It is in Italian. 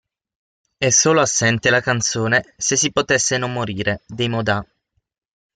È solo assente la canzone "Se si potesse non morire" dei Modà.